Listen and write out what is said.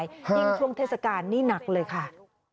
ยิ่งช่วงเทศกาลนี่หนักเลยค่ะ